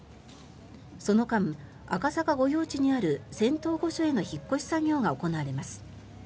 その間、赤坂御用地にある仙洞御所への引っ越し作業が行われます。